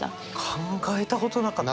考えたことなかった。